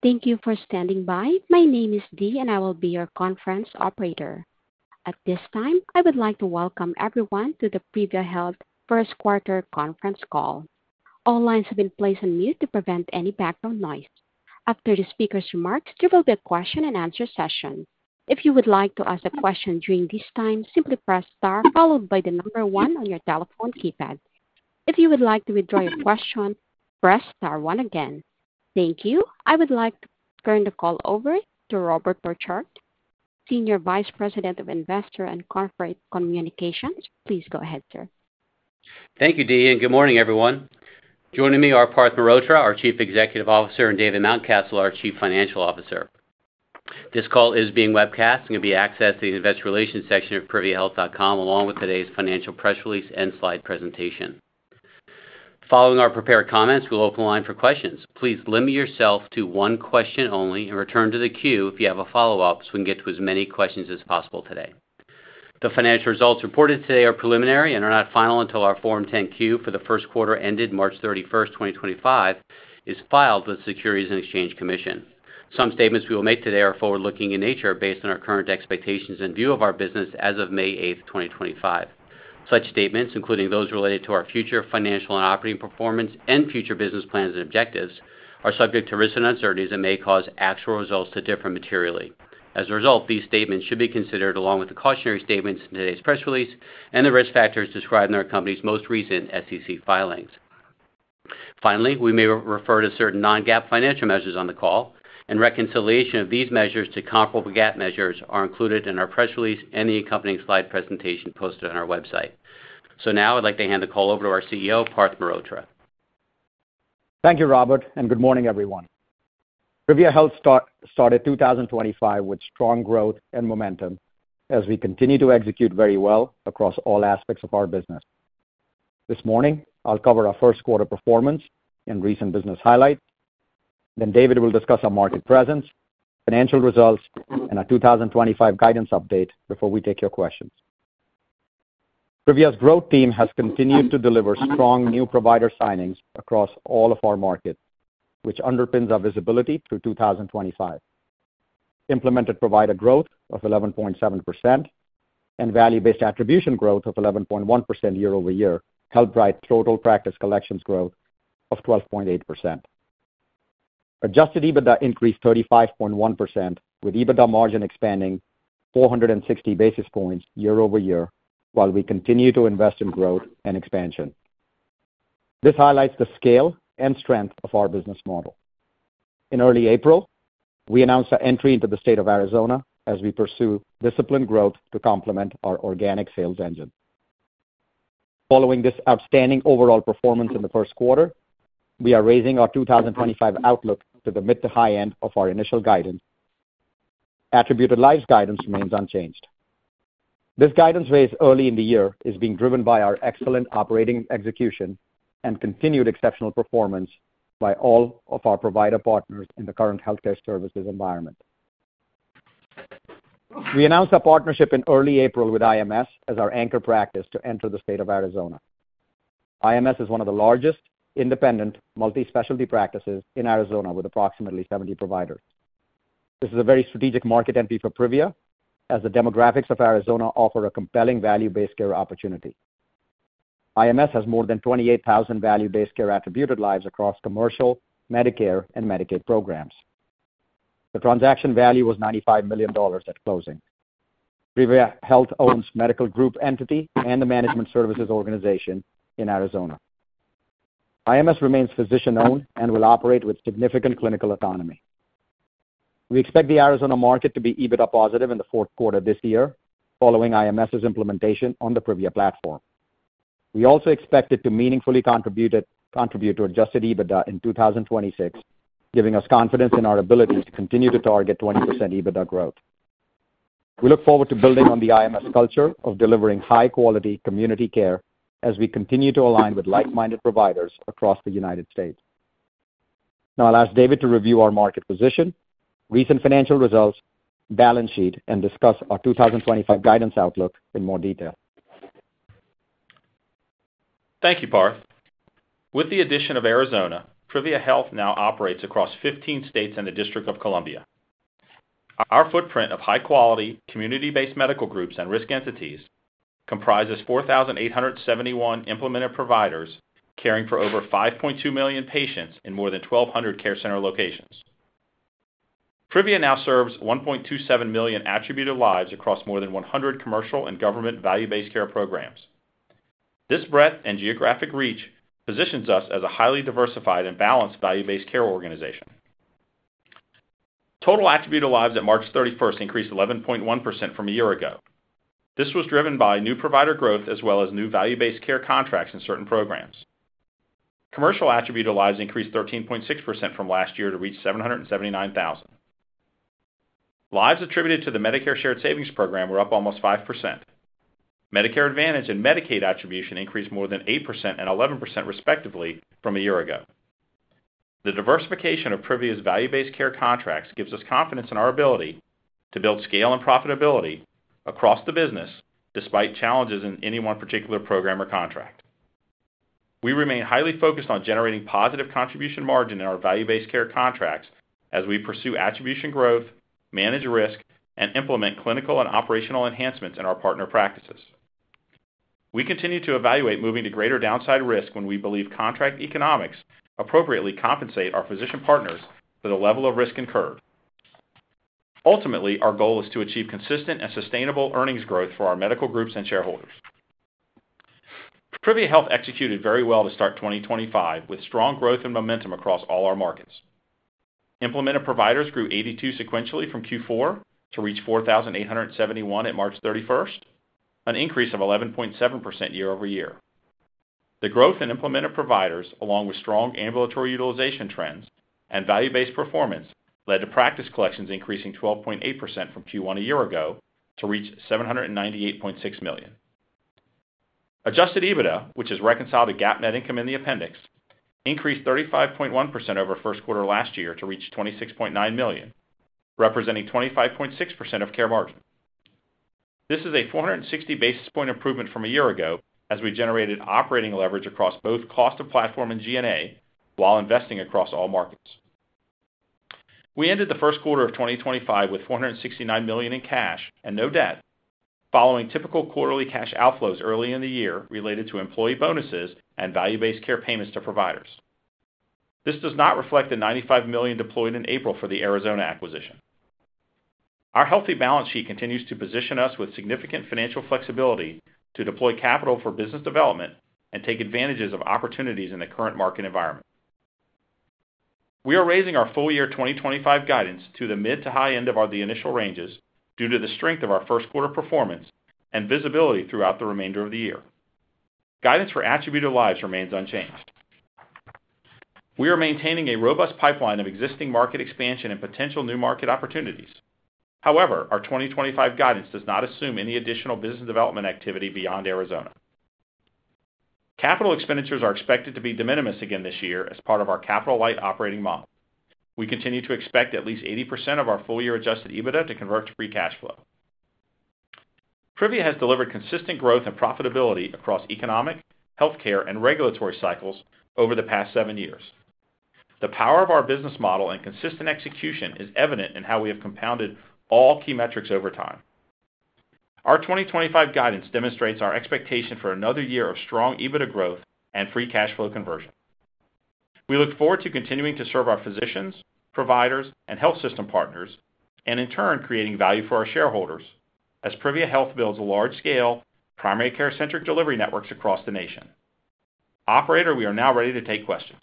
Thank you for standing by. My name is Dee, and I will be your conference operator. At this time, I would like to welcome everyone to the Privia Health First Quarter conference call. All lines have been placed on mute to prevent any background noise. After the speaker's remarks, there will be a question-and-answer session. If you would like to ask a question during this time, simply press star, followed by the number one on your telephone keypad. If you would like to withdraw your question, press star one again. Thank you. I would like to turn the call over to Robert Borchert, Senior Vice President of Investor and Corporate Communications. Please go ahead, sir. Thank you, Dee. Good morning, everyone. Joining me are Parth Mehrotra, our Chief Executive Officer, and David Mountcastle, our Chief Financial Officer. This call is being webcast and will be accessed through the Investor Relations section of priviahealth.com, along with today's financial press release and slide presentation. Following our prepared comments, we'll open the line for questions. Please limit yourself to one question only and return to the queue if you have a follow-up, so we can get to as many questions as possible today. The financial results reported today are preliminary and are not final until our Form 10-Q for the first quarter ended March 31, 2025, is filed with the Securities and Exchange Commission. Some statements we will make today are forward-looking in nature based on our current expectations and view of our business as of May 8, 2025. Such statements, including those related to our future financial and operating performance and future business plans and objectives, are subject to risks and uncertainties that may cause actual results to differ materially. As a result, these statements should be considered along with the cautionary statements in today's press release and the risk factors described in our company's most recent SEC filings. Finally, we may refer to certain non-GAAP financial measures on the call, and reconciliation of these measures to comparable GAAP measures are included in our press release and the accompanying slide presentation posted on our website. Now I'd like to hand the call over to our CEO, Parth Mehrotra. Thank you, Robert, and good morning, everyone. Privia Health started 2025 with strong growth and momentum as we continue to execute very well across all aspects of our business. This morning, I'll cover our first quarter performance and recent business highlights. Then David will discuss our market presence, financial results, and our 2025 guidance update before we take your questions. Privia's growth team has continued to deliver strong new provider signings across all of our markets, which underpins our visibility through 2025. Implemented provider growth of 11.7% and value-based attribution growth of 11.1% year-over-year helped drive total practice collections growth of 12.8%. Adjusted EBITDA increased 35.1%, with EBITDA margin expanding 460 basis points year-over-year while we continue to invest in growth and expansion. This highlights the scale and strength of our business model. In early April, we announced our entry into the state of Arizona as we pursue disciplined growth to complement our organic sales engine. Following this outstanding overall performance in the first quarter, we are raising our 2025 outlook to the mid to high end of our initial guidance. Attributed Lives guidance remains unchanged. This guidance raised early in the year is being driven by our excellent operating execution and continued exceptional performance by all of our provider partners in the current healthcare services environment. We announced our partnership in early April with IMS as our anchor practice to enter the state of Arizona. IMS is one of the largest independent multi-specialty practices in Arizona with approximately 70 providers. This is a very strategic market entry for Privia as the demographics of Arizona offer a compelling value-based care opportunity. IMS has more than 28,000 value-based care attributed lives across commercial, Medicare, and Medicaid programs. The transaction value was $95 million at closing. Privia Health owns Medical Group Entity and the Management Services Organization in Arizona. IMS remains physician-owned and will operate with significant clinical autonomy. We expect the Arizona market to be EBITDA positive in the fourth quarter this year following IMS's implementation on the Privia platform. We also expect it to meaningfully contribute to adjusted EBITDA in 2026, giving us confidence in our ability to continue to target 20% EBITDA growth. We look forward to building on the IMS culture of delivering high-quality community care as we continue to align with like-minded providers across the United States. Now I'll ask David to review our market position, recent financial results, balance sheet, and discuss our 2025 guidance outlook in more detail. Thank you, Parth. With the addition of Arizona, Privia Health now operates across 15 states and the District of Columbia. Our footprint of high-quality community-based medical groups and risk entities comprises 4,871 implemented providers caring for over 5.2 million patients in more than 1,200 care center locations. Privia now serves 1.27 million attributed lives across more than 100 commercial and government value-based care programs. This breadth and geographic reach positions us as a highly diversified and balanced value-based care organization. Total attributed lives at March 31 increased 11.1% from a year ago. This was driven by new provider growth as well as new value-based care contracts in certain programs. Commercial attributed lives increased 13.6% from last year to reach 779,000. Lives attributed to the Medicare Shared Savings Program were up almost 5%. Medicare Advantage and Medicaid attribution increased more than 8% and 11% respectively from a year ago. The diversification of Privia's value-based care contracts gives us confidence in our ability to build scale and profitability across the business despite challenges in any one particular program or contract. We remain highly focused on generating positive contribution margin in our value-based care contracts as we pursue attribution growth, manage risk, and implement clinical and operational enhancements in our partner practices. We continue to evaluate moving to greater downside risk when we believe contract economics appropriately compensate our physician partners for the level of risk incurred. Ultimately, our goal is to achieve consistent and sustainable earnings growth for our medical groups and shareholders. Privia Health executed very well to start 2025 with strong growth and momentum across all our markets. Implemented providers grew 82 sequentially from Q4 to reach 4,871 at March 31st, an increase of 11.7% year-over-year. The growth in implemented providers, along with strong ambulatory utilization trends and value-based performance, led to practice collections increasing 12.8% from Q1 a year ago to reach $798.6 million. Adjusted EBITDA, which has reconciled to GAAP net income in the appendix, increased 35.1% over first quarter last year to reach $26.9 million, representing 25.6% of care margin. This is a 460 basis point improvement from a year ago as we generated operating leverage across both cost of platform and G&A while investing across all markets. We ended the first quarter of 2025 with $469 million in cash and no debt, following typical quarterly cash outflows early in the year related to employee bonuses and value-based care payments to providers. This does not reflect the $95 million deployed in April for the Arizona acquisition. Our healthy balance sheet continues to position us with significant financial flexibility to deploy capital for business development and take advantage of opportunities in the current market environment. We are raising our full-year 2025 guidance to the mid to high end of the initial ranges due to the strength of our first quarter performance and visibility throughout the remainder of the year. Guidance for attributed lives remains unchanged. We are maintaining a robust pipeline of existing market expansion and potential new market opportunities. However, our 2025 guidance does not assume any additional business development activity beyond Arizona. Capital expenditures are expected to be de minimis again this year as part of our capital light operating model. We continue to expect at least 80% of our full-year adjusted EBITDA to convert to free cash flow. Privia has delivered consistent growth and profitability across economic, healthcare, and regulatory cycles over the past seven years. The power of our business model and consistent execution is evident in how we have compounded all key metrics over time. Our 2025 guidance demonstrates our expectation for another year of strong EBITDA growth and free cash flow conversion. We look forward to continuing to serve our physicians, providers, and health system partners, and in turn creating value for our shareholders as Privia Health builds large-scale primary care-centric delivery networks across the nation. Operator, we are now ready to take questions.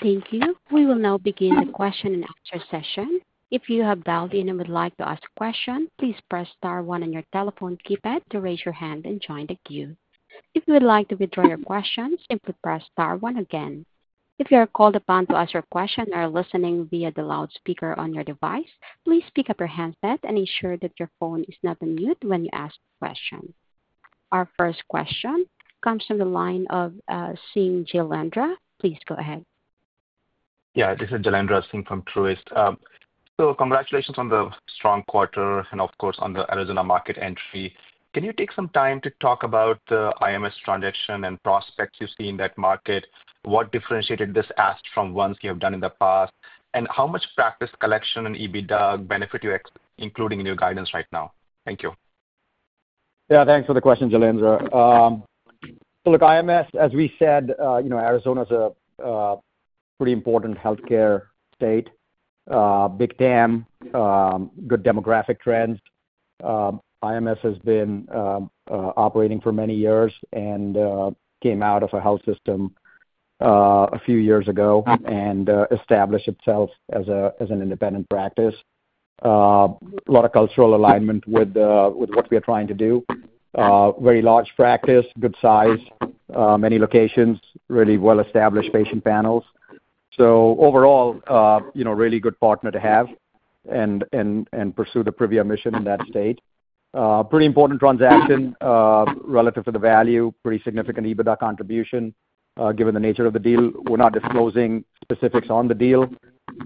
Thank you. We will now begin the question-and-answer session. If you have dialed in and would like to ask a question, please press star one on your telephone keypad to raise your hand and join the queue. If you would like to withdraw your questions, simply press star one again. If you are called upon to ask your question or are listening via the loudspeaker on your device, please pick up your handset and ensure that your phone is not on mute when you ask a question. Our first question comes from the line of Singh Jaliendhra. Please go ahead. Yeah, this is Jailendra Singh from Truist. Congratulations on the strong quarter and, of course, on the Arizona market entry. Can you take some time to talk about the IMS transition and prospects you've seen in that market? What differentiated this ask from ones you have done in the past? How much practice collection and EBITDA benefit are you including in your guidance right now? Thank you. Yeah, thanks for the question, Jalandra. Look, IMS, as we said, Arizona is a pretty important healthcare state. Big TAM, good demographic trends. IMS has been operating for many years and came out of a health system a few years ago and established itself as an independent practice. A lot of cultural alignment with what we are trying to do. Very large practice, good size, many locations, really well-established patient panels. Overall, really good partner to have and pursue the Privia mission in that state. Pretty important transaction relative to the value, pretty significant EBITDA contribution. Given the nature of the deal, we're not disclosing specifics on the deal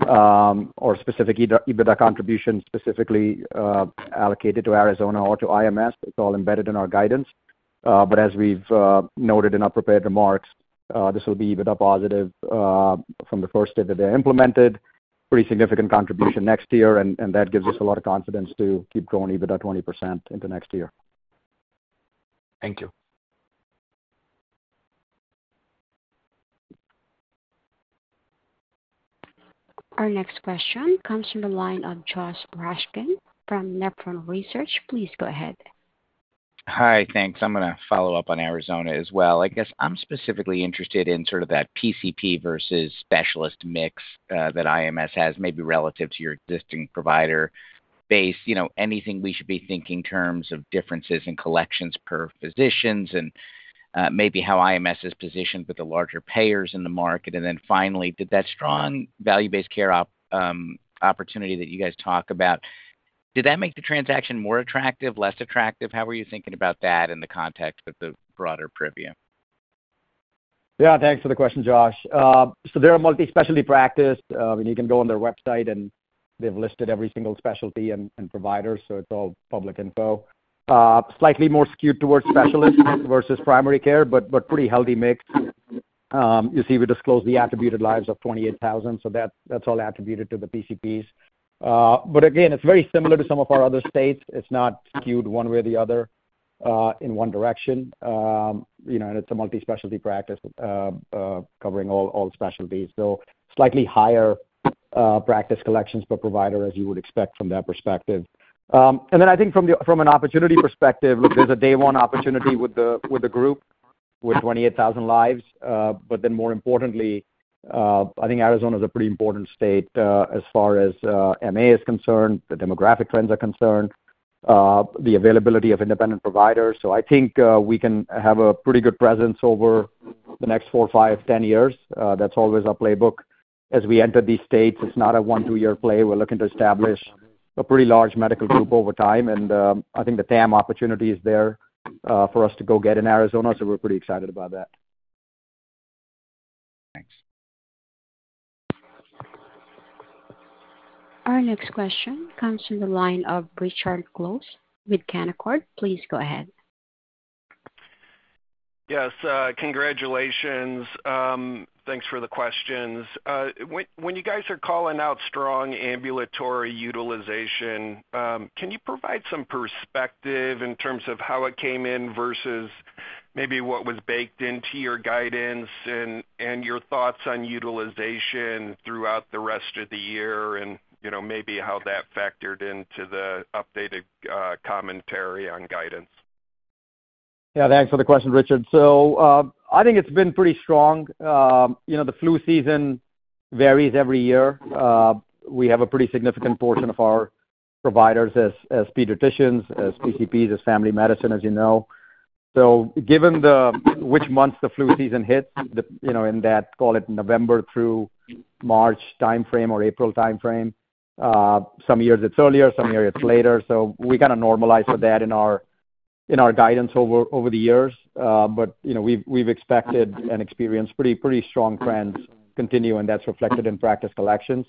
or specific EBITDA contributions specifically allocated to Arizona or to IMS. It's all embedded in our guidance. As we've noted in our prepared remarks, this will be EBITDA positive from the first day that they're implemented, pretty significant contribution next year, and that gives us a lot of confidence to keep growing EBITDA 20% into next year. Thank you. Our next question comes from the line of Josh Raskin from Nephron Research. Please go ahead. Hi, thanks. I'm going to follow up on Arizona as well. I guess I'm specifically interested in sort of that PCP versus specialist mix that IMS has, maybe relative to your existing provider base. Anything we should be thinking in terms of differences in collections per physician and maybe how IMS is positioned with the larger payers in the market. Finally, did that strong value-based care opportunity that you guys talk about, did that make the transaction more attractive, less attractive? How are you thinking about that in the context of the broader Privia? Yeah, thanks for the question, Josh. So they're a multi-specialty practice. You can go on their website and they've listed every single specialty and provider, so it's all public info. Slightly more skewed towards specialist versus primary care, but pretty healthy mix. You see, we disclosed the attributed lives of 28,000, so that's all attributed to the PCPs. Again, it's very similar to some of our other states. It's not skewed one way or the other in one direction. It's a multi-specialty practice covering all specialties. Slightly higher practice collections per provider, as you would expect from that perspective. I think from an opportunity perspective, there's a day-one opportunity with the group with 28,000 lives. More importantly, I think Arizona is a pretty important state as far as MA is concerned, the demographic trends are concerned, the availability of independent providers. I think we can have a pretty good presence over the next 4, 5, 10 years. That's always our playbook. As we enter these states, it's not a one-two-year play. We're looking to establish a pretty large medical group over time. I think the TAM opportunity is there for us to go get in Arizona, so we're pretty excited about that. Thanks. Our next question comes from the line of Richard Gross with Canaccord. Please go ahead. Yes, congratulations. Thanks for the questions. When you guys are calling out strong ambulatory utilization, can you provide some perspective in terms of how it came in versus maybe what was baked into your guidance and your thoughts on utilization throughout the rest of the year and maybe how that factored into the updated commentary on guidance? Yeah, thanks for the question, Richard. I think it's been pretty strong. The flu season varies every year. We have a pretty significant portion of our providers as pediatricians, as PCPs, as family medicine, as you know. Given which months the flu season hits in that, call it November through March timeframe or April timeframe, some years it's earlier, some years it's later. We kind of normalize for that in our guidance over the years. We've expected and experienced pretty strong trends continue, and that's reflected in practice collections.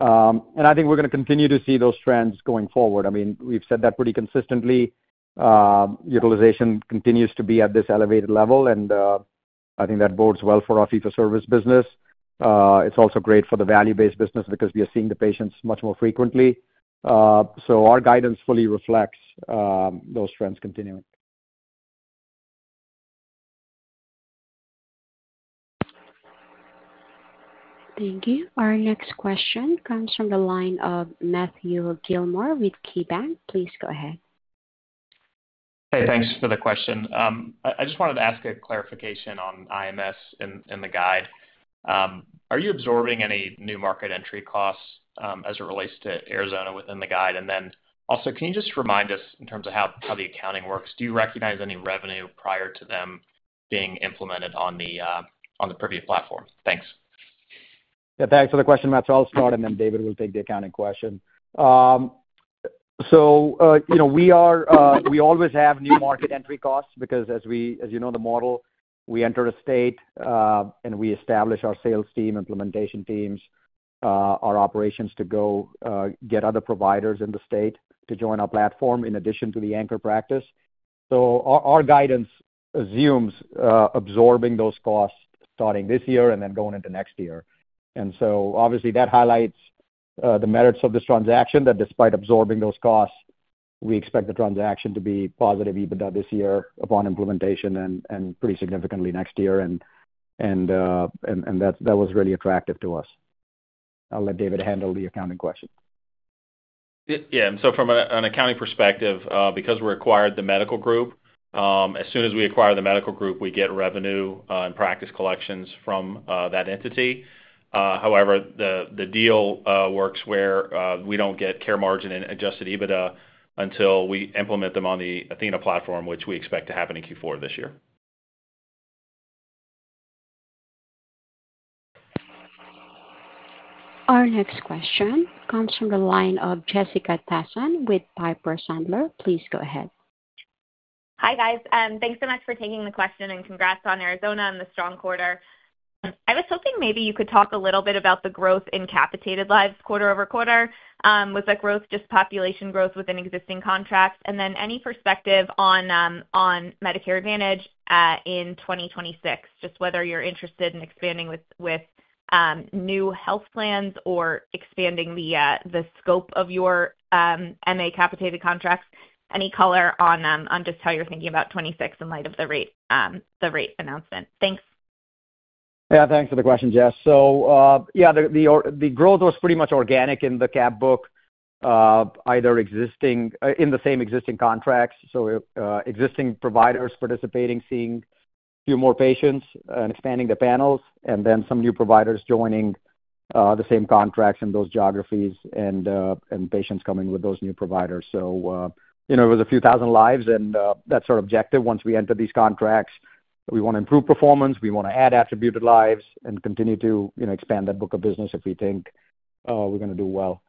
I think we're going to continue to see those trends going forward. I mean, we've said that pretty consistently. Utilization continues to be at this elevated level, and I think that bodes well for our fee-for-service business. It's also great for the value-based business because we are seeing the patients much more frequently. Our guidance fully reflects those trends continuing. Thank you. Our next question comes from the line of Matthew Gillmor with KeyBanc. Please go ahead. Hey, thanks for the question. I just wanted to ask a clarification on IMS in the guide. Are you absorbing any new market entry costs as it relates to Arizona within the guide? Also, can you just remind us in terms of how the accounting works? Do you recognize any revenue prior to them being implemented on the Privia platform? Thanks. Yeah, thanks for the question, Matt. I'll start, and then David will take the accounting question. We always have new market entry costs because, as you know, the model, we enter a state and we establish our sales team, implementation teams, our operations to go get other providers in the state to join our platform in addition to the anchor practice. Our guidance assumes absorbing those costs starting this year and then going into next year. Obviously, that highlights the merits of this transaction that despite absorbing those costs, we expect the transaction to be positive EBITDA this year upon implementation and pretty significantly next year. That was really attractive to us. I'll let David handle the accounting question. Yeah. So from an accounting perspective, because we acquired the medical group, as soon as we acquire the medical group, we get revenue and practice collections from that entity. However, the deal works where we do not get care margin and adjusted EBITDA until we implement them on the Athena platform, which we expect to happen in Q4 this year. Our next question comes from the line of Jessica Tassan with Piper Sandler. Please go ahead. Hi, guys. Thanks so much for taking the question and congrats on Arizona and the strong quarter. I was hoping maybe you could talk a little bit about the growth in capitated lives quarter over quarter with the growth, just population growth within existing contracts, and then any perspective on Medicare Advantage in 2026, just whether you're interested in expanding with new health plans or expanding the scope of your MA capitated contracts. Any color on just how you're thinking about 2026 in light of the rate announcement? Thanks. Yeah, thanks for the question, Jess. Yeah, the growth was pretty much organic in the CAP book, either in the same existing contracts, so existing providers participating, seeing a few more patients and expanding the panels, and then some new providers joining the same contracts in those geographies and patients coming with those new providers. It was a few thousand lives, and that's our objective once we enter these contracts. We want to improve performance. We want to add attributed lives and continue to expand that book of business if we think we're going to do well.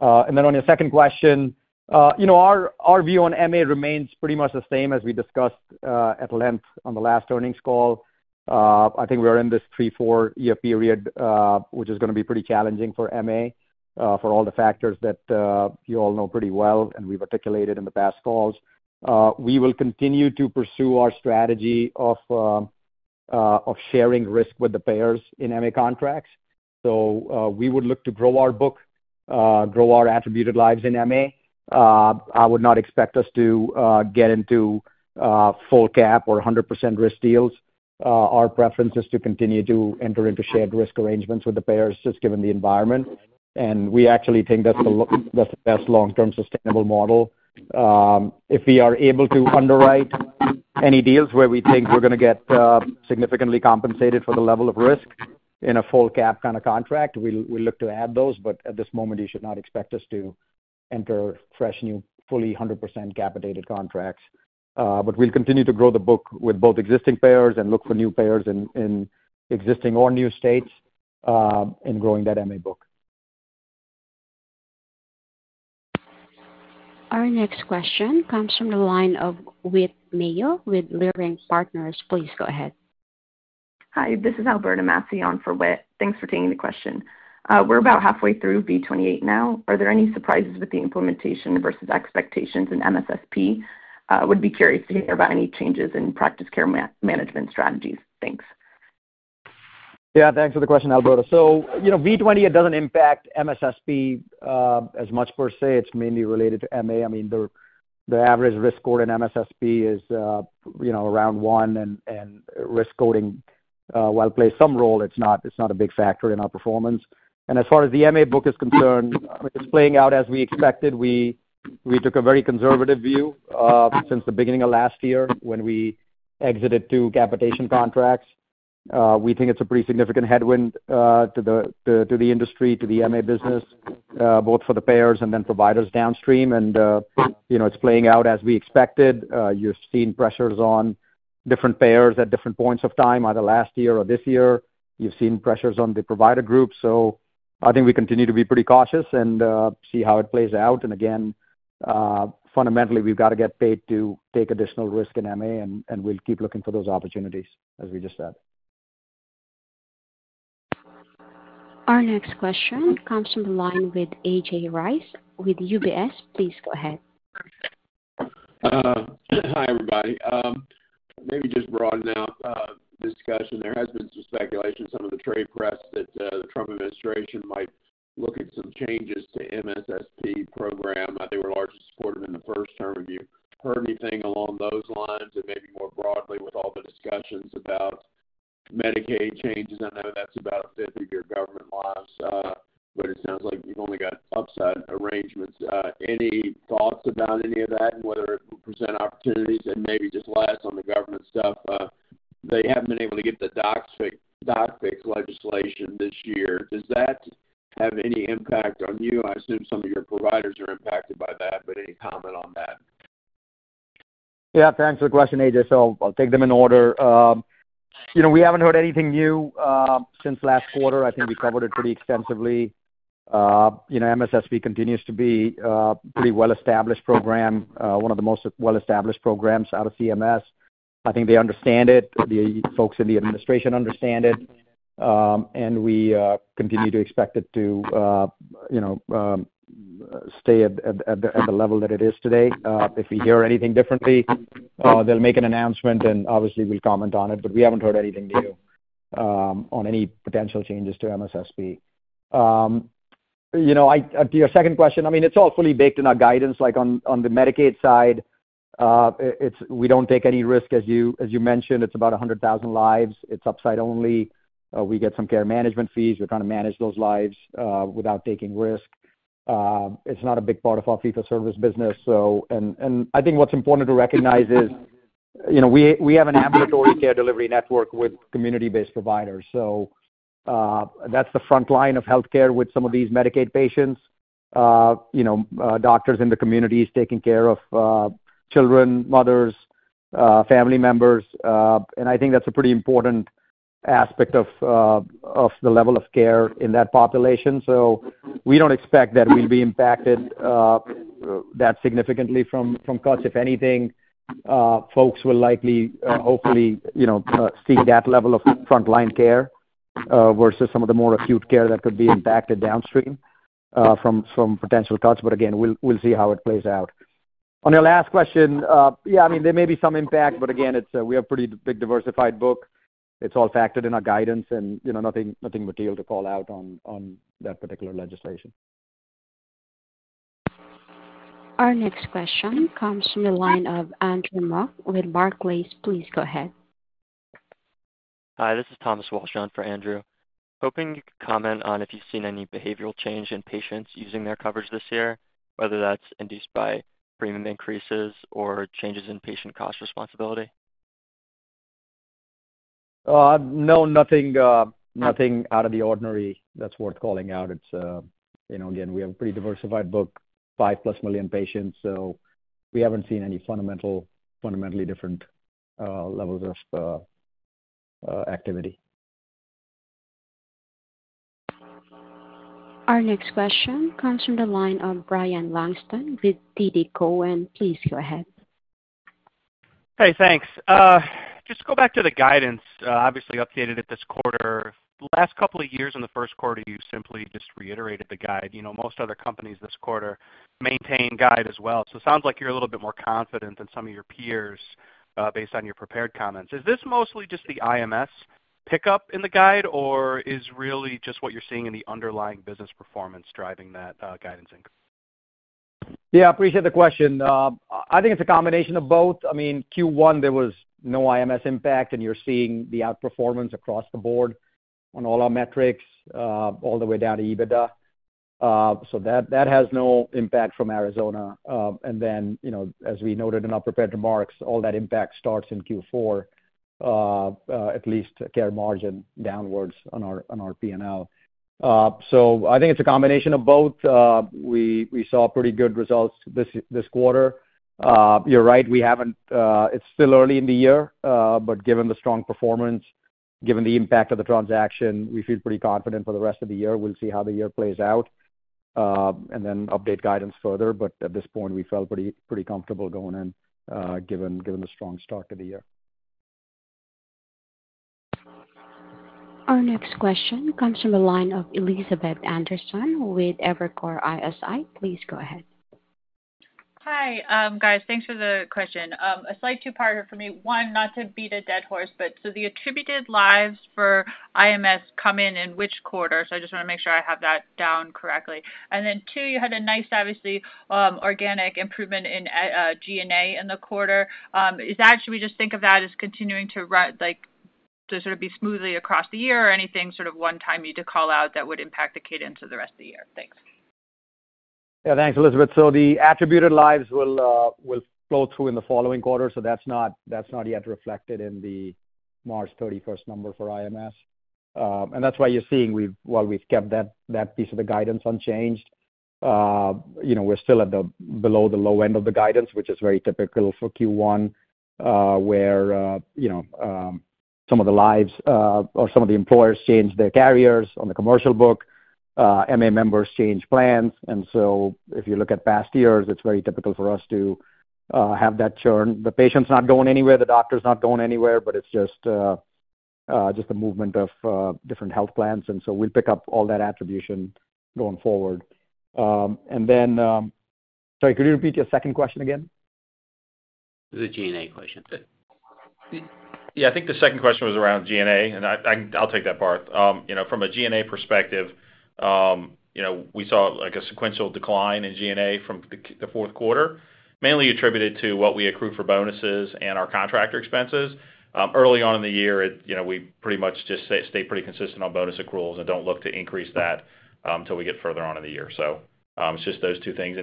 On your second question, our view on MA remains pretty much the same as we discussed at length on the last earnings call. I think we are in this three, four-year period, which is going to be pretty challenging for MA for all the factors that you all know pretty well and we've articulated in the past calls. We will continue to pursue our strategy of sharing risk with the payers in MA contracts. We would look to grow our book, grow our attributed lives in MA. I would not expect us to get into full CAP or 100% risk deals. Our preference is to continue to enter into shared risk arrangements with the payers just given the environment. We actually think that's the best long-term sustainable model. If we are able to underwrite any deals where we think we're going to get significantly compensated for the level of risk in a full CAP kind of contract, we look to add those. At this moment, you should not expect us to enter fresh, new, fully 100% capitated contracts. We'll continue to grow the book with both existing payers and look for new payers in existing or new states in growing that MA book. Our next question comes from the line of Alberta Massillon with Learning Partners. Please go ahead. Hi, this is Alberta Massey for WITT. Thanks for taking the question. We're about halfway through V28 now. Are there any surprises with the implementation versus expectations in MSSP? Would be curious to hear about any changes in practice care management strategies. Thanks. Yeah, thanks for the question, Alberta. V28 doesn't impact MSSP as much per se. It's mainly related to MA. I mean, the average risk score in MSSP is around one, and risk scoring, while it plays some role, it's not a big factor in our performance. As far as the MA book is concerned, it's playing out as we expected. We took a very conservative view since the beginning of last year when we exited two capitation contracts. We think it's a pretty significant headwind to the industry, to the MA business, both for the payers and then providers downstream. It's playing out as we expected. You've seen pressures on different payers at different points of time, either last year or this year. You've seen pressures on the provider group. I think we continue to be pretty cautious and see how it plays out. Fundamentally, we've got to get paid to take additional risk in MA, and we'll keep looking for those opportunities, as we just said. Our next question comes from the line with AJ Rice with UBS. Please go ahead. Hi, everybody. Maybe just broaden out the discussion. There has been some speculation, some of the trade press, that the Trump administration might look at some changes to the MSSP program. I think we're largely supportive in the first term. Have you heard anything along those lines and maybe more broadly with all the discussions about Medicaid changes? I know that's about a fifth of your government lives, but it sounds like you've only got upside arrangements. Any thoughts about any of that and whether it will present opportunities and maybe just last on the government stuff? They haven't been able to get the doc fix legislation this year. Does that have any impact on you? I assume some of your providers are impacted by that, but any comment on that? Yeah, thanks for the question, AJ. So I'll take them in order. We haven't heard anything new since last quarter. I think we covered it pretty extensively. MSSP continues to be a pretty well-established program, one of the most well-established programs out of CMS. I think they understand it. The folks in the administration understand it. We continue to expect it to stay at the level that it is today. If we hear anything differently, they'll make an announcement, and obviously, we'll comment on it. We haven't heard anything new on any potential changes to MSSP. To your second question, I mean, it's all fully baked in our guidance. On the Medicaid side, we don't take any risk, as you mentioned. It's about 100,000 lives. It's upside only. We get some care management fees. We're trying to manage those lives without taking risk. It's not a big part of our fee-for-service business. I think what's important to recognize is we have an ambulatory care delivery network with community-based providers. That's the front line of healthcare with some of these Medicaid patients, doctors in the communities taking care of children, mothers, family members. I think that's a pretty important aspect of the level of care in that population. We don't expect that we'll be impacted that significantly from cuts. If anything, folks will likely, hopefully, seek that level of frontline care versus some of the more acute care that could be impacted downstream from potential cuts. Again, we'll see how it plays out. On your last question, yeah, I mean, there may be some impact, but again, we have a pretty big diversified book. It's all factored in our guidance, and nothing material to call out on that particular legislation. Our next question comes from the line of Thomas Walsh with Barclays. Please go ahead. Hi, this is Thomas Walsh for Andrew. Hoping you could comment on if you've seen any behavioral change in patients using their coverage this year, whether that's induced by premium increases or changes in patient cost responsibility. No, nothing out of the ordinary that's worth calling out. Again, we have a pretty diversified book, five-plus million patients. So we haven't seen any fundamentally different levels of activity. Our next question comes from the line of Ryan Langston with TD Cowen. Please go ahead. Hey, thanks. Just go back to the guidance. Obviously, updated at this quarter. Last couple of years in the first quarter, you simply just reiterated the guide. Most other companies this quarter maintain guide as well. It sounds like you're a little bit more confident than some of your peers based on your prepared comments. Is this mostly just the IMS pickup in the guide, or is it really just what you're seeing in the underlying business performance driving that guidance? Yeah, I appreciate the question. I think it's a combination of both. I mean, Q1, there was no IMS impact, and you're seeing the outperformance across the board on all our metrics all the way down to EBITDA. That has no impact from Arizona. As we noted in our prepared remarks, all that impact starts in Q4, at least care margin downwards on our P&L. I think it's a combination of both. We saw pretty good results this quarter. You're right. It's still early in the year, but given the strong performance, given the impact of the transaction, we feel pretty confident for the rest of the year. We'll see how the year plays out and then update guidance further. At this point, we felt pretty comfortable going in given the strong start to the year. Our next question comes from the line of Elizabeth Anderson with Evercore ISI. Please go ahead. Hi, guys. Thanks for the question. A slight two-parter for me. One, not to beat a dead horse, but so the attributed lives for IMS come in in which quarter? I just want to make sure I have that down correctly. And then two, you had a nice, obviously, organic improvement in G&A in the quarter. Should we just think of that as continuing to sort of be smoothly across the year or anything sort of one-time you need to call out that would impact the cadence of the rest of the year? Thanks. Yeah, thanks, Elizabeth. The attributed lives will flow through in the following quarter. That is not yet reflected in the March 31st number for IMS. That is why you are seeing while we have kept that piece of the guidance unchanged, we are still below the low end of the guidance, which is very typical for Q1 where some of the lives or some of the employers change their carriers on the commercial book. MA members change plans. If you look at past years, it is very typical for us to have that churn. The patient's not going anywhere. The doctor's not going anywhere, but it is just a movement of different health plans. We will pick up all that attribution going forward. Sorry, could you repeat your second question again? It was a G&A question. Yeah, I think the second question was around G&A, and I'll take that, Bart. From a G&A perspective, we saw a sequential decline in G&A from the fourth quarter, mainly attributed to what we accrued for bonuses and our contractor expenses. Early on in the year, we pretty much just stay pretty consistent on bonus accruals and do not look to increase that until we get further on in the year. It is just those two things.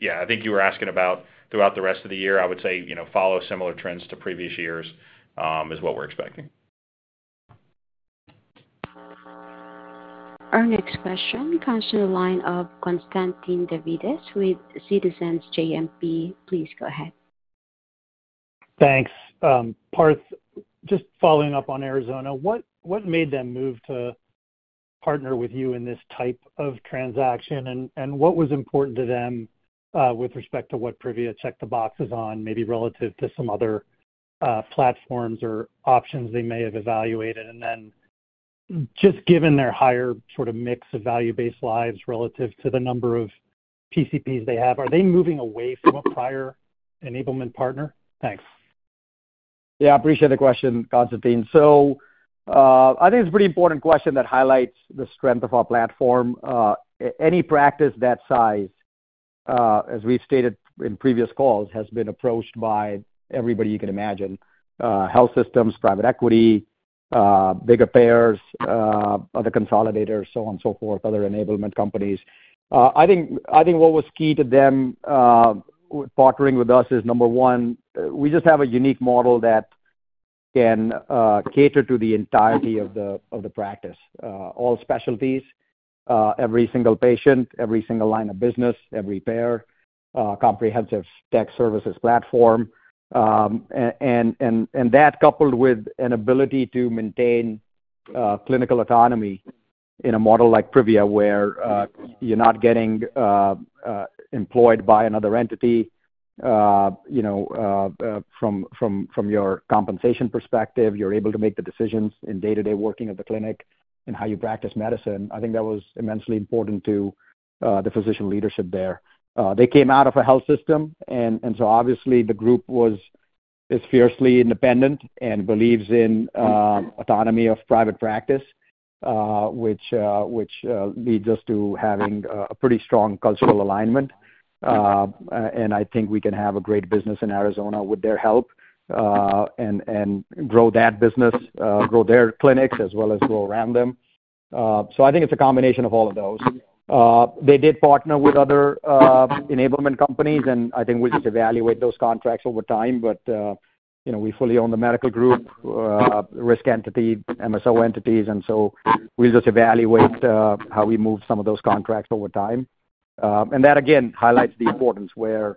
Yeah, I think you were asking about throughout the rest of the year, I would say follow similar trends to previous years is what we are expecting. Our next question comes from the line of Constantine Davides with Citizens JMP. Please go ahead. Thanks. Parth, just following up on Arizona, what made them move to partner with you in this type of transaction, and what was important to them with respect to what Privia checked the boxes on, maybe relative to some other platforms or options they may have evaluated? Just given their higher sort of mix of value-based lives relative to the number of PCPs they have, are they moving away from a prior enablement partner? Thanks. Yeah, I appreciate the question, Constantine. I think it's a pretty important question that highlights the strength of our platform. Any practice that size, as we've stated in previous calls, has been approached by everybody you can imagine: health systems, private equity, bigger payers, other consolidators, so on and so forth, other enablement companies. I think what was key to them partnering with us is, number one, we just have a unique model that can cater to the entirety of the practice: all specialties, every single patient, every single line of business, every payer, comprehensive tech services platform. That coupled with an ability to maintain clinical autonomy in a model like Privia where you're not getting employed by another entity from your compensation perspective. You're able to make the decisions in day-to-day working at the clinic and how you practice medicine. I think that was immensely important to the physician leadership there. They came out of a health system, and so obviously, the group is fiercely independent and believes in autonomy of private practice, which leads us to having a pretty strong cultural alignment. I think we can have a great business in Arizona with their help and grow that business, grow their clinics as well as grow around them. I think it is a combination of all of those. They did partner with other enablement companies, and I think we'll just evaluate those contracts over time. We fully own the medical group, risk entity, MSO entities. We will just evaluate how we move some of those contracts over time. That, again, highlights the importance where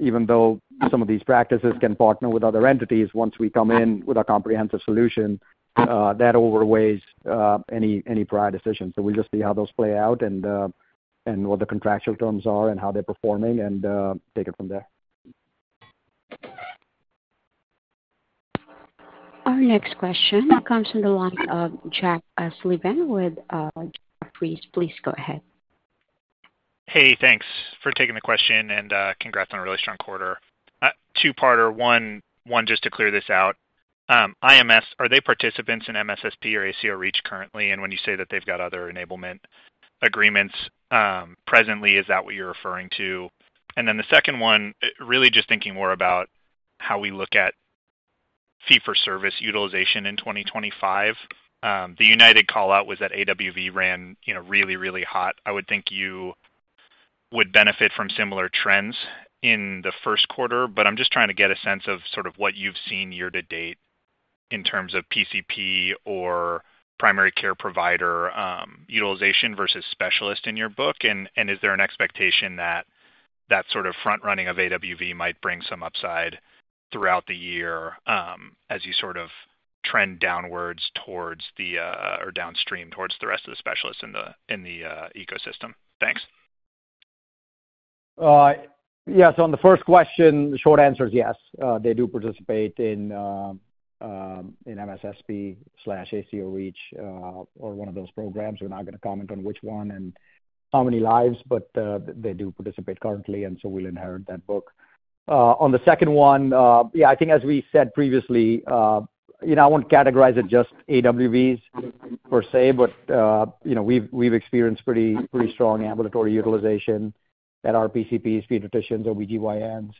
even though some of these practices can partner with other entities, once we come in with a comprehensive solution, that overweighs any prior decision. We'll just see how those play out and what the contractual terms are and how they're performing and take it from there. Our next question comes from the line of Jack Slevin with Jefferies. Please go ahead. Hey, thanks for taking the question and congrats on a really strong quarter. Two-parter. One, just to clear this out. IMS, are they participants in MSSP or ACO REACH currently? When you say that they've got other enablement agreements presently, is that what you're referring to? The second one, really just thinking more about how we look at fee-for-service utilization in 2025. The United callout was that AWV ran really, really hot. I would think you would benefit from similar trends in the first quarter, but I'm just trying to get a sense of sort of what you've seen year to date in terms of PCP or primary care provider utilization versus specialist in your book. Is there an expectation that that sort of front-running of AWV might bring some upside throughout the year as you sort of trend downwards towards or downstream towards the rest of the specialists in the ecosystem? Thanks. Yeah. On the first question, the short answer is yes. They do participate in MSSP/ACO REACH or one of those programs. We're not going to comment on which one and how many lives, but they do participate currently, and so we'll inherit that book. On the second one, yeah, I think as we said previously, I won't categorize it just AWVs per se, but we've experienced pretty strong ambulatory utilization at our PCPs, pediatricians, OB-GYNs,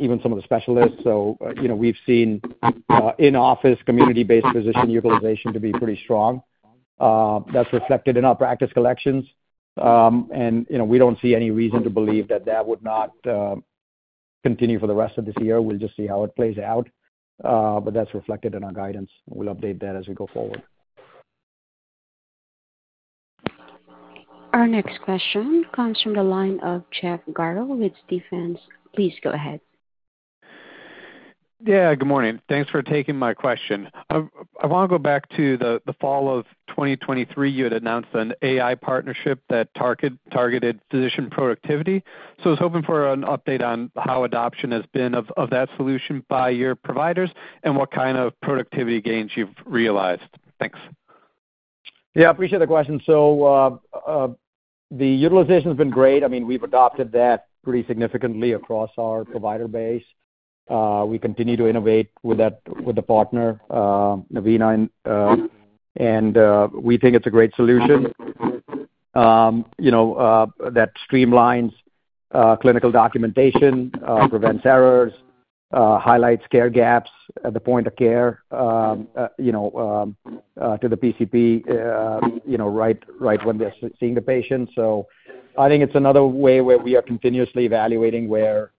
even some of the specialists. We've seen in-office community-based physician utilization to be pretty strong. That's reflected in our practice collections. We don't see any reason to believe that that would not continue for the rest of this year. We'll just see how it plays out. That's reflected in our guidance. We'll update that as we go forward. Our next question comes from the line of Jeff Garro with Stephens. Please go ahead. Yeah, good morning. Thanks for taking my question. I want to go back to the fall of 2023. You had announced an AI partnership that targeted physician productivity. I was hoping for an update on how adoption has been of that solution by your providers and what kind of productivity gains you've realized. Thanks. Yeah, I appreciate the question. The utilization has been great. I mean, we've adopted that pretty significantly across our provider base. We continue to innovate with the partner, Novena, and we think it's a great solution that streamlines clinical documentation, prevents errors, highlights care gaps at the point of care to the PCP right when they're seeing the patient. I think it's another way where we are continuously evaluating where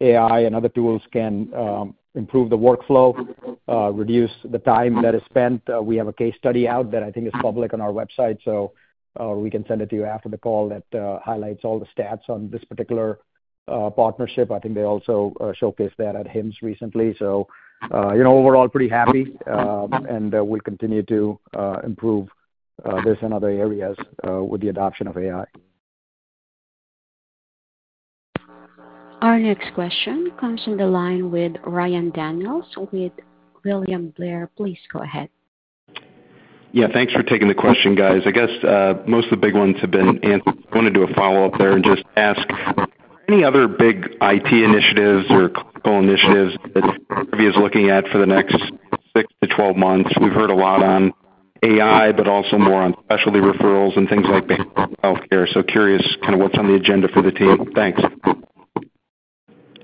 AI and other tools can improve the workflow, reduce the time that is spent. We have a case study out that I think is public on our website, so we can send it to you after the call that highlights all the stats on this particular partnership. I think they also showcased that at HIMSS recently. Overall, pretty happy, and we'll continue to improve this in other areas with the adoption of AI. Our next question comes from the line with Ryan Daniels with William Blair. Please go ahead. Yeah, thanks for taking the question, guys. I guess most of the big ones have been answered. I want to do a follow-up there and just ask, are there any other big IT initiatives or clinical initiatives that Privia is looking at for the next 6 to 12 months? We've heard a lot on AI, but also more on specialty referrals and things like healthcare. So curious kind of what's on the agenda for the team. Thanks.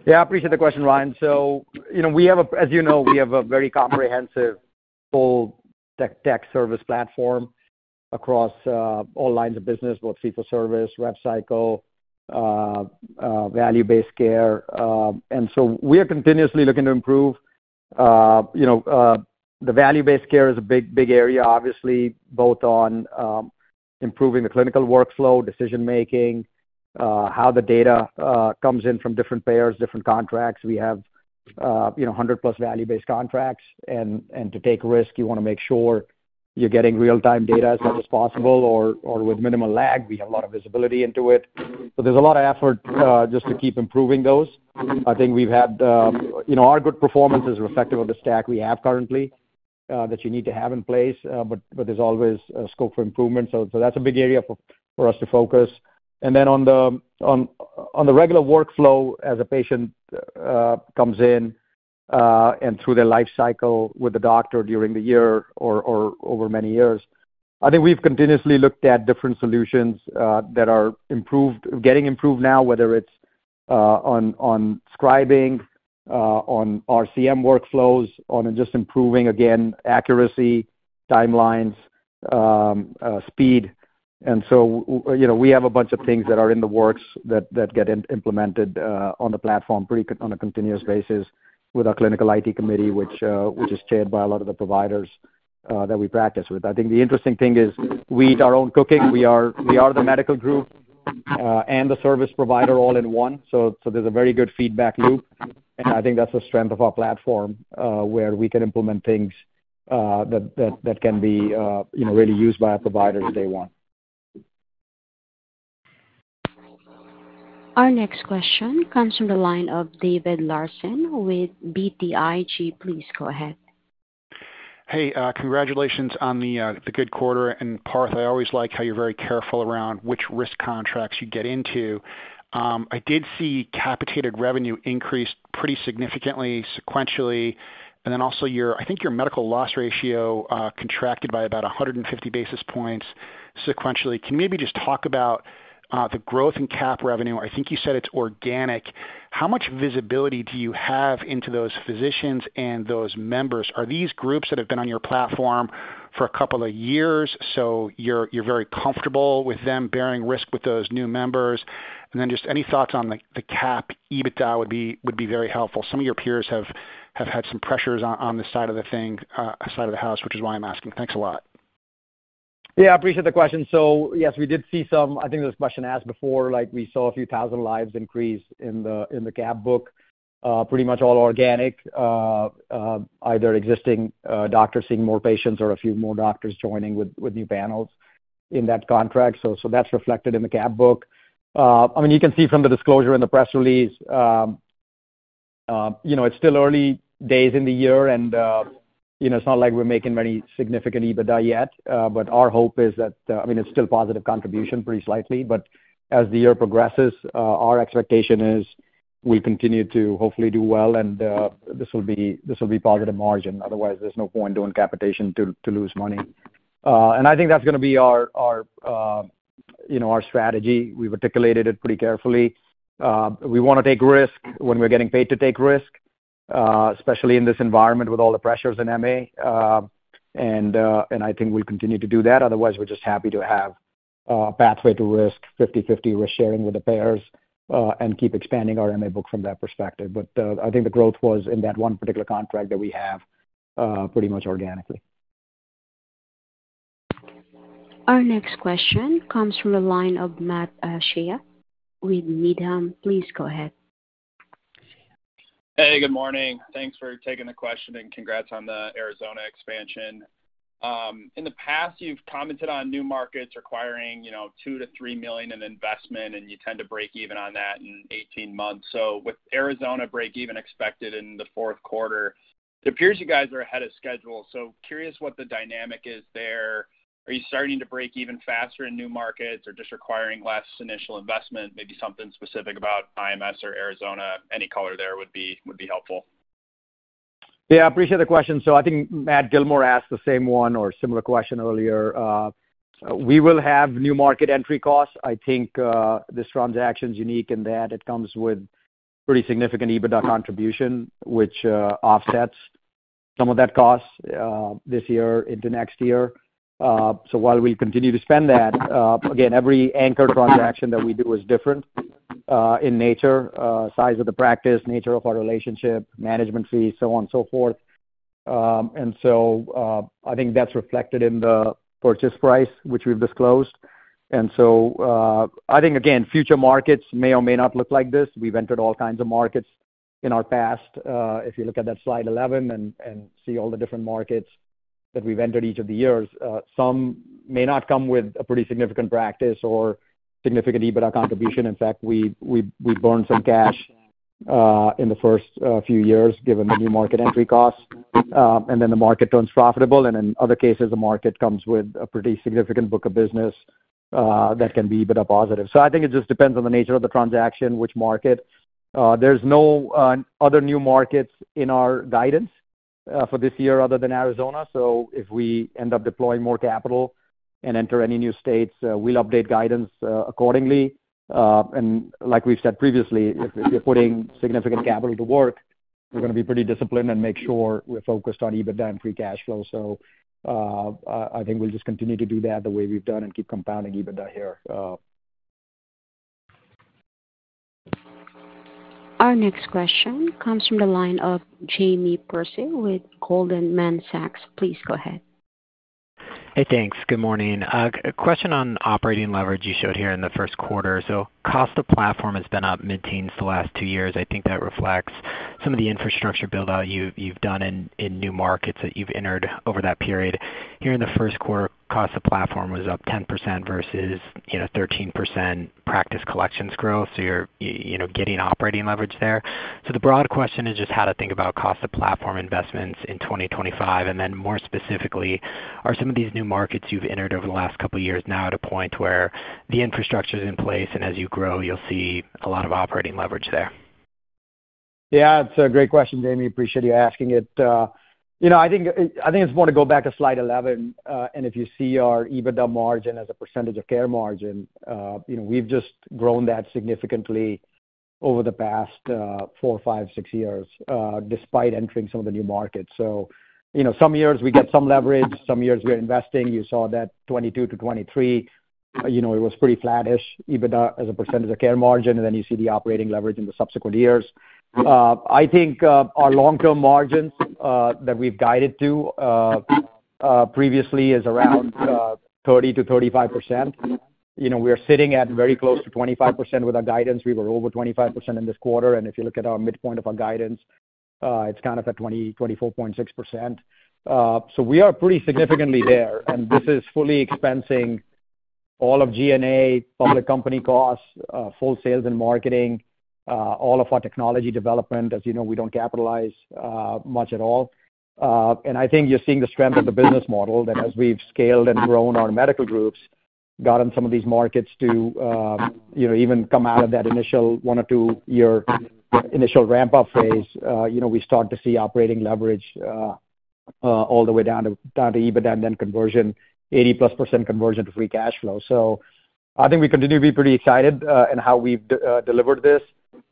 Yeah, I appreciate the question, Ryan. As you know, we have a very comprehensive full tech service platform across all lines of business, both fee-for-service, rev cycle, value-based care. We are continuously looking to improve. The value-based care is a big, big area, obviously, both on improving the clinical workflow, decision-making, how the data comes in from different payers, different contracts. We have 100-plus value-based contracts. To take risk, you want to make sure you're getting real-time data as much as possible or with minimal lag. We have a lot of visibility into it. There is a lot of effort just to keep improving those. I think we've had our good performance is reflective of the stack we have currently that you need to have in place, but there is always scope for improvement. That is a big area for us to focus. On the regular workflow, as a patient comes in and through their life cycle with the doctor during the year or over many years, I think we've continuously looked at different solutions that are getting improved now, whether it's on scribing, on RCM workflows, on just improving, again, accuracy, timelines, speed. We have a bunch of things that are in the works that get implemented on the platform on a continuous basis with our clinical IT committee, which is chaired by a lot of the providers that we practice with. I think the interesting thing is we eat our own cooking. We are the medical group and the service provider all in one. There is a very good feedback loop. I think that's the strength of our platform where we can implement things that can be really used by our providers if they want. Our next question comes from the line of David Larsen with BTIG. Please go ahead. Hey, congratulations on the good quarter. Parth, I always like how you're very careful around which risk contracts you get into. I did see capitated revenue increase pretty significantly sequentially. I think your medical loss ratio contracted by about 150 basis points sequentially. Can you maybe just talk about the growth in cap revenue? I think you said it's organic. How much visibility do you have into those physicians and those members? Are these groups that have been on your platform for a couple of years, so you're very comfortable with them bearing risk with those new members? Any thoughts on the cap? EBITDA would be very helpful. Some of your peers have had some pressures on the side of the thing, side of the house, which is why I'm asking. Thanks a lot. Yeah, I appreciate the question. So yes, we did see some. I think this question asked before. We saw a few thousand lives increase in the cap book, pretty much all organic, either existing doctors seeing more patients or a few more doctors joining with new panels in that contract. So that's reflected in the cap book. I mean, you can see from the disclosure in the press release, it's still early days in the year, and it's not like we're making many significant EBITDA yet. Our hope is that, I mean, it's still positive contribution pretty slightly. As the year progresses, our expectation is we'll continue to hopefully do well, and this will be positive margin. Otherwise, there's no point doing capitation to lose money. I think that's going to be our strategy. We've articulated it pretty carefully. We want to take risk when we're getting paid to take risk, especially in this environment with all the pressures in MA. I think we'll continue to do that. Otherwise, we're just happy to have a pathway to risk, 50/50 risk sharing with the payers, and keep expanding our MA book from that perspective. I think the growth was in that one particular contract that we have pretty much organically. Our next question comes from the line of Matt Shea with Needham. Please go ahead. Hey, good morning. Thanks for taking the question and congrats on the Arizona expansion. In the past, you've commented on new markets requiring $2 million-$3 million in investment, and you tend to break even on that in 18 months. With Arizona break even expected in the fourth quarter, it appears you guys are ahead of schedule. Curious what the dynamic is there. Are you starting to break even faster in new markets or just requiring less initial investment? Maybe something specific about IMS or Arizona, any color there would be helpful. Yeah, I appreciate the question. I think Matt Gillmor asked the same one or similar question earlier. We will have new market entry costs. I think this transaction is unique in that it comes with pretty significant EBITDA contribution, which offsets some of that cost this year into next year. While we'll continue to spend that, again, every anchor transaction that we do is different in nature, size of the practice, nature of our relationship, management fees, so on and so forth. I think that's reflected in the purchase price, which we've disclosed. I think, again, future markets may or may not look like this. We've entered all kinds of markets in our past. If you look at that slide 11 and see all the different markets that we've entered each of the years, some may not come with a pretty significant practice or significant EBITDA contribution. In fact, we burned some cash in the first few years given the new market entry costs. The market turns profitable. In other cases, the market comes with a pretty significant book of business that can be EBITDA positive. I think it just depends on the nature of the transaction, which market. There are no other new markets in our guidance for this year other than Arizona. If we end up deploying more capital and enter any new states, we'll update guidance accordingly. Like we've said previously, if you're putting significant capital to work, we're going to be pretty disciplined and make sure we're focused on EBITDA and free cash flow. I think we'll just continue to do that the way we've done and keep compounding EBITDA here. Our next question comes from the line of Jamie Perse with Goldman Sachs. Please go ahead. Hey, thanks. Good morning. A question on operating leverage you showed here in the first quarter. Cost of platform has been up mid-teens the last two years. I think that reflects some of the infrastructure build-out you've done in new markets that you've entered over that period. Here in the first quarter, cost of platform was up 10% versus 13% practice collections growth. You're getting operating leverage there. The broad question is just how to think about cost of platform investments in 2025. More specifically, are some of these new markets you've entered over the last couple of years now at a point where the infrastructure is in place and as you grow, you'll see a lot of operating leverage there? Yeah, it's a great question, Jamie. Appreciate you asking it. I think it's more to go back to slide 11. And if you see our EBITDA margin as a percentage of care margin, we've just grown that significantly over the past four, five, six years despite entering some of the new markets. Some years we get some leverage, some years we're investing. You saw that 2022 to 2023, it was pretty flattish EBITDA as a percentage of care margin. You see the operating leverage in the subsequent years. I think our long-term margins that we've guided to previously is around 30%-35%. We are sitting at very close to 25% with our guidance. We were over 25% in this quarter. If you look at our midpoint of our guidance, it's kind of at 24.6%. We are pretty significantly there. This is fully expensing all of G&A, public company costs, full sales and marketing, all of our technology development. As you know, we do not capitalize much at all. I think you are seeing the strength of the business model that as we have scaled and grown our medical groups, gotten some of these markets to even come out of that initial one- or two-year initial ramp-up phase, we start to see operating leverage all the way down to EBITDA and then conversion, 80+% conversion to free cash flow. I think we continue to be pretty excited in how we have delivered this.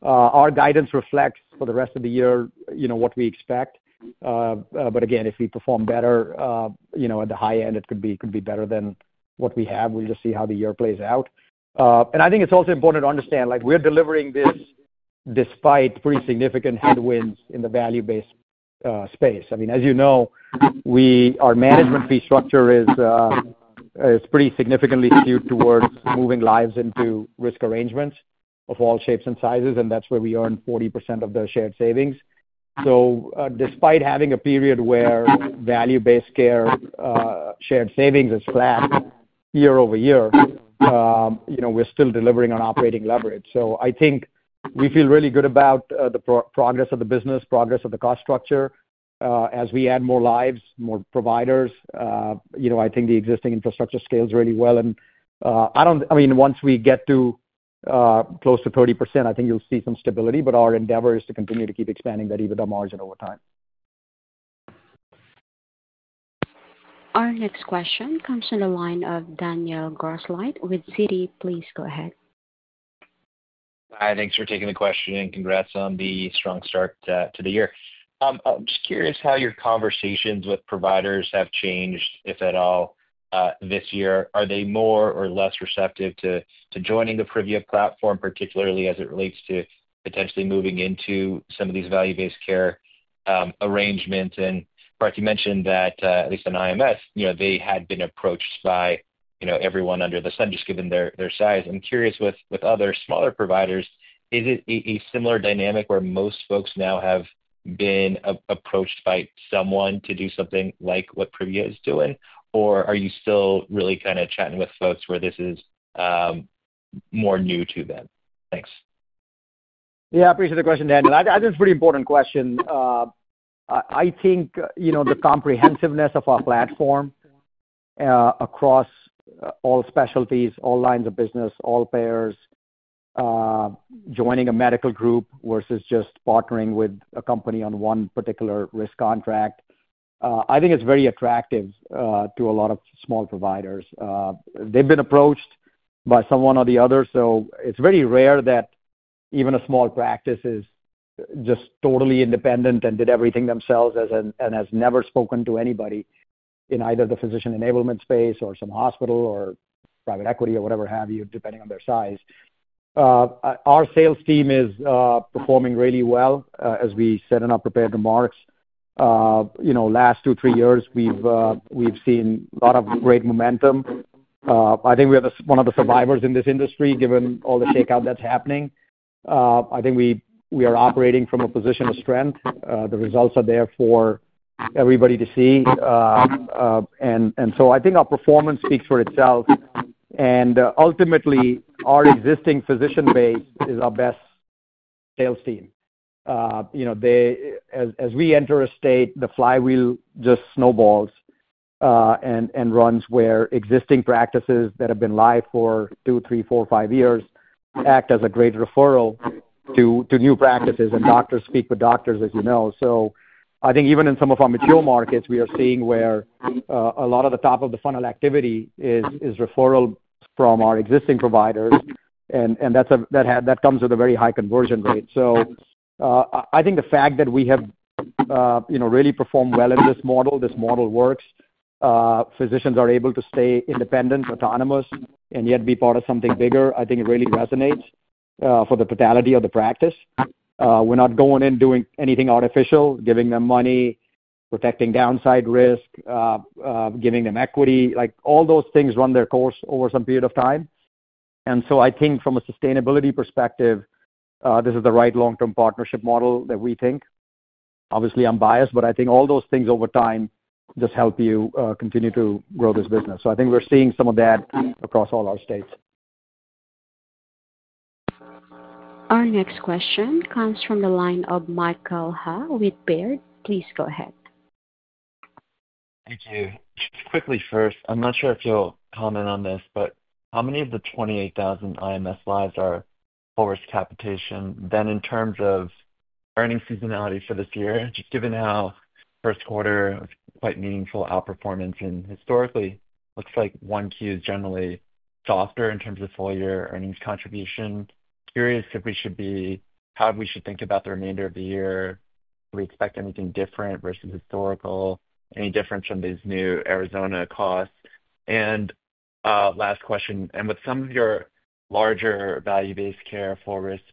Our guidance reflects for the rest of the year what we expect. If we perform better at the high end, it could be better than what we have. We will just see how the year plays out. I think it's also important to understand we're delivering this despite pretty significant headwinds in the value-based space. I mean, as you know, our management fee structure is pretty significantly skewed towards moving lives into risk arrangements of all shapes and sizes. That's where we earn 40% of the shared savings. Despite having a period where value-based care shared savings is flat year over year, we're still delivering on operating leverage. I think we feel really good about the progress of the business, progress of the cost structure. As we add more lives, more providers, I think the existing infrastructure scales really well. I mean, once we get to close to 30%, I think you'll see some stability. Our endeavor is to continue to keep expanding that EBITDA margin over time. Our next question comes from the line of Danielle Grosslight with Citi. Please go ahead. Hi, thanks for taking the question. Congrats on the strong start to the year. I'm just curious how your conversations with providers have changed, if at all, this year. Are they more or less receptive to joining the Privia platform, particularly as it relates to potentially moving into some of these value-based care arrangements? Parth, you mentioned that at least in IMS, they had been approached by everyone under the sun just given their size. I'm curious with other smaller providers, is it a similar dynamic where most folks now have been approached by someone to do something like what Privia is doing? Or are you still really kind of chatting with folks where this is more new to them? Thanks. Yeah, I appreciate the question, Danielle. I think it's a pretty important question. I think the comprehensiveness of our platform across all specialties, all lines of business, all payers, joining a medical group versus just partnering with a company on one particular risk contract, I think it's very attractive to a lot of small providers. They've been approached by someone or the other. It is very rare that even a small practice is just totally independent and did everything themselves and has never spoken to anybody in either the physician enablement space or some hospital or private equity or whatever have you, depending on their size. Our sales team is performing really well as we said in our prepared remarks. Last two, three years, we've seen a lot of great momentum. I think we are one of the survivors in this industry given all the shakeout that's happening. I think we are operating from a position of strength. The results are there for everybody to see. I think our performance speaks for itself. Ultimately, our existing physician base is our best sales team. As we enter a state, the flywheel just snowballs and runs where existing practices that have been live for two, three, four, five years act as a great referral to new practices. Doctors speak with doctors, as you know. I think even in some of our mature markets, we are seeing where a lot of the top of the funnel activity is referrals from our existing providers. That comes with a very high conversion rate. I think the fact that we have really performed well in this model, this model works, physicians are able to stay independent, autonomous, and yet be part of something bigger, I think it really resonates for the totality of the practice. We're not going in doing anything artificial, giving them money, protecting downside risk, giving them equity. All those things run their course over some period of time. I think from a sustainability perspective, this is the right long-term partnership model that we think. Obviously, I'm biased, but I think all those things over time just help you continue to grow this business. I think we're seeing some of that across all our states. Our next question comes from the line of Michael Ha with Baird. Please go ahead. Thank you. Just quickly first, I'm not sure if you'll comment on this, but how many of the 28,000 IMS lives are forced capitation? Then in terms of earning seasonality for this year, just given how first quarter was quite meaningful outperformance and historically looks like one Q is generally softer in terms of full-year earnings contribution, curious if we should be how we should think about the remainder of the year. Do we expect anything different versus historical? Any difference from these new Arizona costs? And last question. With some of your larger value-based care for risk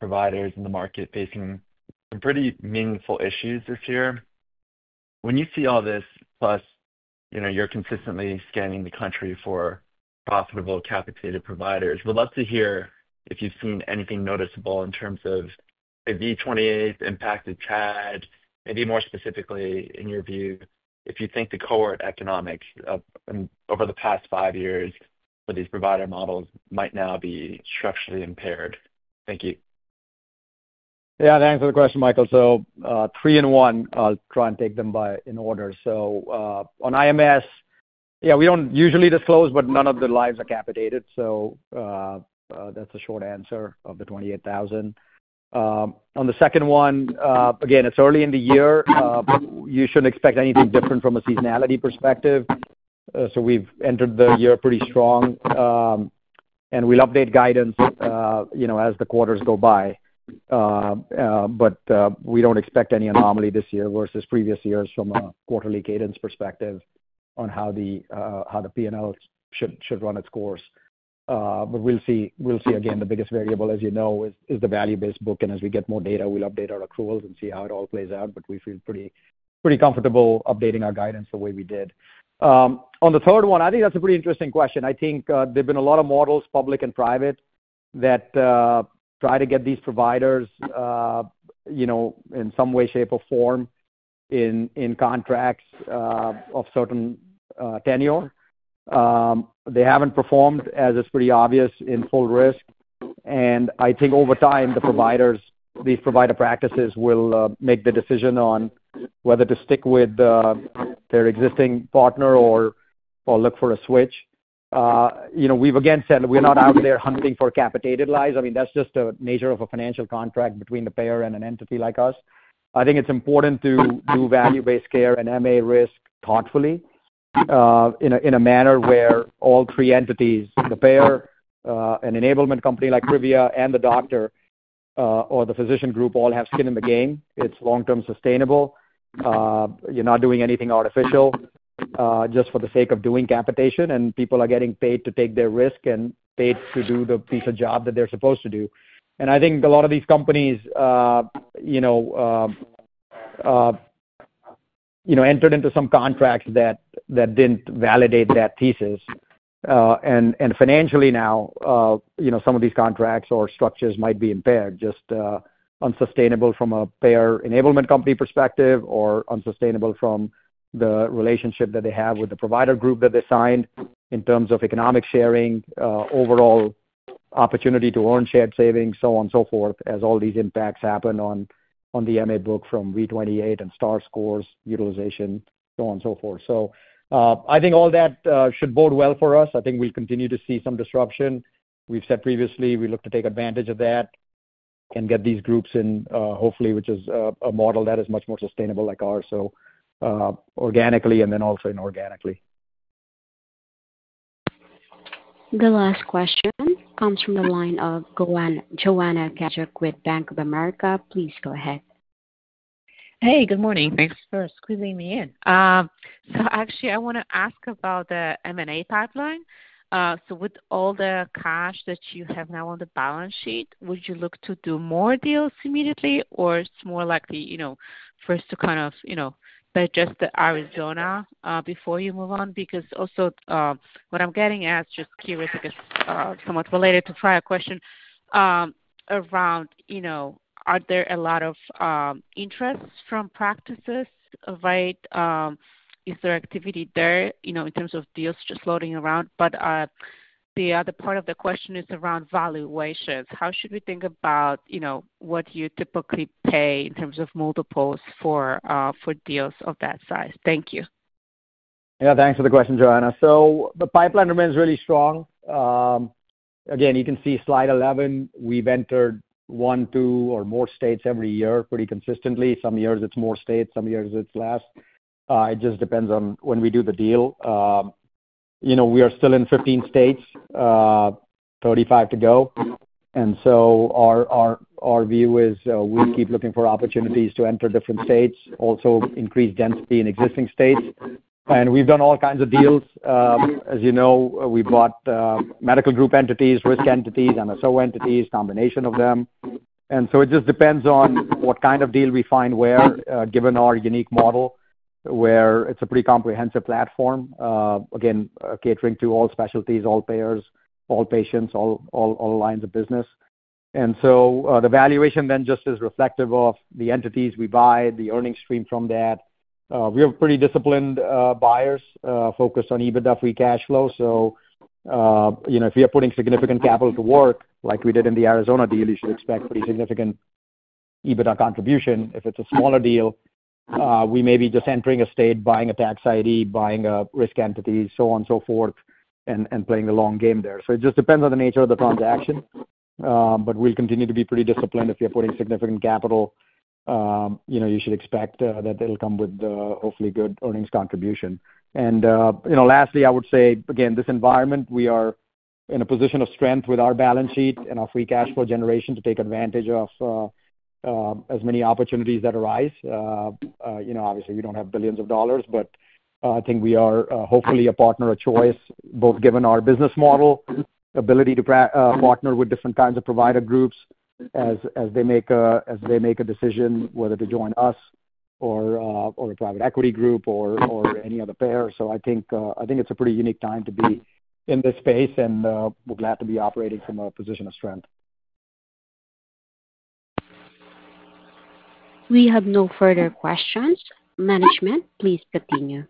providers in the market facing some pretty meaningful issues this year, when you see all this, plus you're consistently scanning the country for profitable capitated providers, we'd love to hear if you've seen anything noticeable in terms of maybe 2028 impacted Chad, maybe more specifically in your view, if you think the cohort economics over the past five years for these provider models might now be structurally impaired. Thank you. Yeah, thanks for the question, Michael. Three in one, I'll try and take them in order. On IMS, yeah, we don't usually disclose, but none of the lives are capitated. That's a short answer of the 28,000. On the second one, again, it's early in the year. You shouldn't expect anything different from a seasonality perspective. We've entered the year pretty strong. We'll update guidance as the quarters go by. We don't expect any anomaly this year versus previous years from a quarterly cadence perspective on how the P&L should run its course. We'll see again, the biggest variable, as you know, is the value-based book. As we get more data, we'll update our accruals and see how it all plays out. We feel pretty comfortable updating our guidance the way we did. On the third one, I think that's a pretty interesting question. I think there have been a lot of models, public and private, that try to get these providers in some way, shape, or form in contracts of certain tenure. They haven't performed, as it's pretty obvious, in full risk. I think over time, the providers, these provider practices will make the decision on whether to stick with their existing partner or look for a switch. We've again said we're not out there hunting for capitated lives. I mean, that's just the nature of a financial contract between the payer and an entity like us. I think it's important to do value-based care and MA risk thoughtfully in a manner where all three entities, the payer, an enablement company like Privia, and the doctor or the physician group, all have skin in the game. It's long-term sustainable. You're not doing anything artificial just for the sake of doing capitation. People are getting paid to take their risk and paid to do the piece of job that they're supposed to do. I think a lot of these companies entered into some contracts that didn't validate that thesis. Financially now, some of these contracts or structures might be impaired, just unsustainable from a payer enablement company perspective or unsustainable from the relationship that they have with the provider group that they signed in terms of economic sharing, overall opportunity to earn shared savings, so on and so forth, as all these impacts happen on the MA book from V28 and star scores utilization, so on and so forth. I think all that should bode well for us. I think we'll continue to see some disruption. We've said previously, we look to take advantage of that and get these groups in hopefully, which is a model that is much more sustainable like ours, so organically and then also inorganically. The last question comes from the line of Joanna Gajuk with Bank of America. Please go ahead. Hey, good morning. Thanks for squeezing me in. Actually, I want to ask about the M&A pipeline. With all the cash that you have now on the balance sheet, would you look to do more deals immediately or is it more likely first to kind of digest the Arizona before you move on? Also, what I'm getting at is just curious because somewhat related to the prior question around, are there a lot of interests from practices, right? Is there activity there in terms of deals just floating around? The other part of the question is around valuations. How should we think about what you typically pay in terms of multiples for deals of that size? Thank you. Yeah, thanks for the question, Joanna. The pipeline remains really strong. Again, you can see slide 11, we've entered one, two, or more states every year pretty consistently. Some years it's more states, some years it's less. It just depends on when we do the deal. We are still in 15 states, 35 to go. Our view is we'll keep looking for opportunities to enter different states, also increase density in existing states. We've done all kinds of deals. As you know, we bought medical group entities, risk entities, MSO entities, combination of them. It just depends on what kind of deal we find where, given our unique model where it's a pretty comprehensive platform, again, catering to all specialties, all payers, all patients, all lines of business. The valuation then just is reflective of the entities we buy, the earnings stream from that. We have pretty disciplined buyers focused on EBITDA free cash flow. If we are putting significant capital to work, like we did in the Arizona deal, you should expect pretty significant EBITDA contribution. If it is a smaller deal, we may be just entering a state, buying a tax ID, buying a risk entity, so on and so forth, and playing the long game there. It just depends on the nature of the transaction. We will continue to be pretty disciplined. If you are putting significant capital, you should expect that it will come with hopefully good earnings contribution. Lastly, I would say, again, this environment, we are in a position of strength with our balance sheet and our free cash flow generation to take advantage of as many opportunities that arise. Obviously, we don't have billions of dollars, but I think we are hopefully a partner of choice, both given our business model, ability to partner with different kinds of provider groups as they make a decision whether to join us or a private equity group or any other payer. I think it's a pretty unique time to be in this space, and we're glad to be operating from a position of strength. We have no further questions. Management, please continue.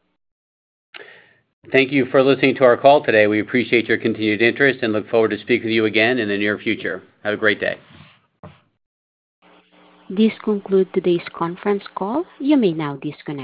Thank you for listening to our call today. We appreciate your continued interest and look forward to speaking with you again in the near future. Have a great day. This concludes today's conference call. You may now disconnect.